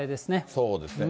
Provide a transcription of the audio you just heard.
そうですね。